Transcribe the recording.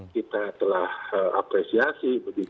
kita telah apresiasi begitu